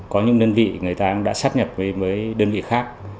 có những đơn vị người ta cũng đã sát nhập với đơn vị khác